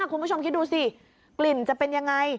คุณผู้ชมคิดดูสิกลิ่นจะเป็นยังไง